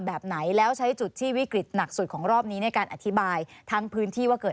แบบไหนแล้วใช้จุดที่วิกฤตหนักสุดของรอบนี้ในการอธิบายทั้งพื้นที่ว่าเกิด